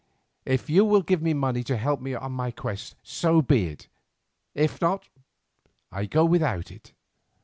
If you will give me money to help me on my quest, so be it—if not I go without.